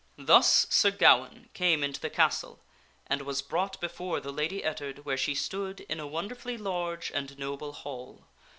Thus Sir Gawaine came into the castle and was brought before the Lady Ettard where she stood in a wonderfully large and noble hall.